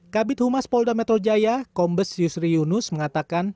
kabit humas polda metro jaya kombes yusri yunus mengatakan